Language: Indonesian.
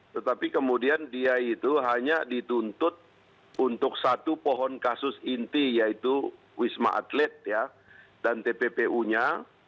tetapi kemudian dia itu hanya dituntut untuk satu pohon kasus inti yaitu wisma atlet dan tppu nya